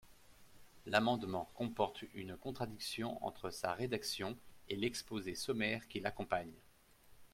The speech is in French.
L’amendement comporte une contradiction entre sa rédaction et l’exposé sommaire qui l’accompagne.